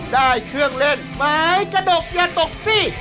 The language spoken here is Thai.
ได้เครื่องเล่นไม้กระดกอย่าตกสิ